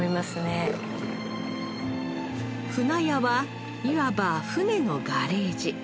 舟屋はいわば舟のガレージ